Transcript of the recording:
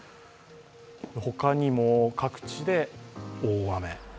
他にも各地で大雨。